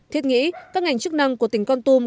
thiết nghĩ các ngành chức năng của tỉnh công tâm